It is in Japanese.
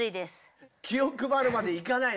「気をくばる」までいかない